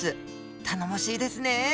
頼もしいですね。